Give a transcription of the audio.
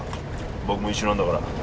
僕も一緒なんだから。